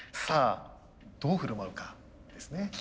さあどう振る舞うかですね。